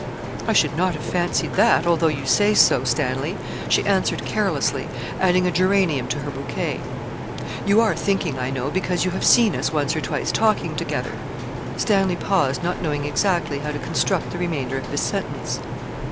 'I should not have fancied that, although you say so, Stanley.' she answered carelessly, adding a geranium to her bouquet. 'You are thinking, I know, because you have seen us once or twice talking together ' Stanley paused, not knowing exactly how to construct the remainder of his sentence.